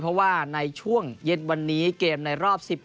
เพราะว่าในช่วงเย็นวันนี้เกมในรอบ๑๖